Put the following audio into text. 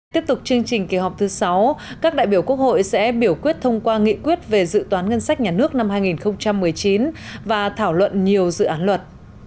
tiếp tục chương trình kỳ họp thứ sáu các đại biểu quốc hội sẽ biểu quyết thông qua nghị quyết về dự toán ngân sách nhà nước năm hai nghìn một mươi chín và thảo luận nhiều dự án luật